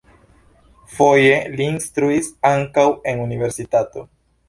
Foje li instruis ankaŭ en universitato.